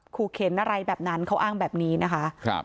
ขู่เข็นอะไรแบบนั้นเขาอ้างแบบนี้นะคะ